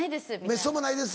「めっそうもないです」